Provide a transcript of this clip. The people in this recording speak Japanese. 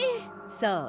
そう？